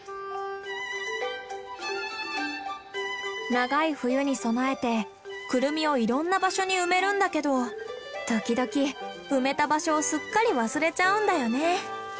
長い冬に備えてクルミをいろんな場所に埋めるんだけど時々埋めた場所をすっかり忘れちゃうんだよね。